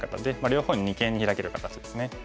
両方に二間にヒラける形ですね。